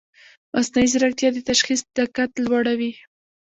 مصنوعي ځیرکتیا د تشخیص دقت لوړوي.